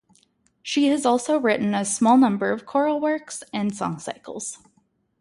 She has also written a small number of choral works and song cycles.